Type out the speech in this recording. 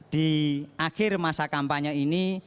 di akhir masa kampanye ini